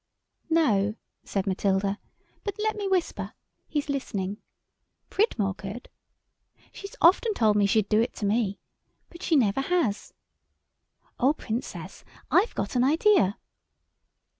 "No," said Matilda, "but let me whisper. He's listening. Pridmore could. She's often told me she'd do it to me. But she never has. Oh, Princess, I've got an idea."